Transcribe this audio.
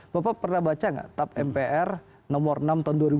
bapak pernah baca nggak tap mpr nomor enam tahun dua ribu dua